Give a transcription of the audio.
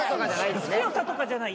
強さとかじゃない。